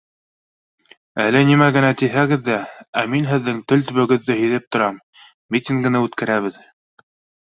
Әле нимә генә тиһәгеҙ ҙә, ә мин һеҙҙең тел төбөгөҙҙө һиҙеп торам, митингыны үткәрәбеҙ